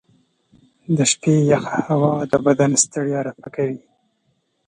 د شپې یخه هوا د بدن ستړیا رفع کوي.